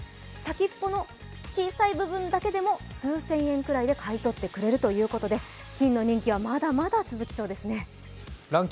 先っぽの小さい部分だけでも数千円で買い取ってくれるということで金の人気はまだまだ続きそうですね。